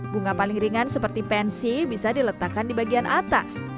bunga paling ringan seperti pensi bisa diletakkan di bagian atas